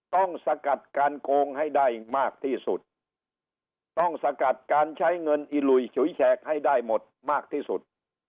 สกัดการโกงให้ได้มากที่สุดต้องสกัดการใช้เงินอิหลุยฉุยแฉกให้ได้หมดมากที่สุด